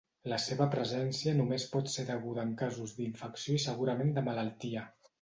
La seva presència només pot ser deguda en casos d'infecció i segurament de malaltia.